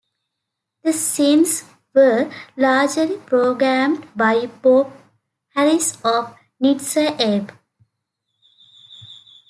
The synths were largely programmed by Bon Harris of Nitzer Ebb.